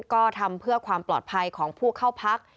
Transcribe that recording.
ก็ทำเพื่อความปลอดภัยของผู้เข้าพัก